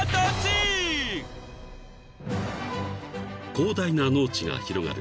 ［広大な農地が広がる］